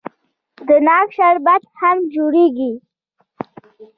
د ناک شربت هم جوړیږي.